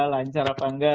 lancar apa enggak